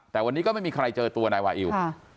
แต่วันนี้ก็ไม่มีใครเจอตัวนายวาอิว